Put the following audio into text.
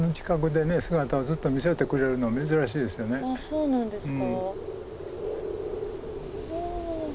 そうなんですか。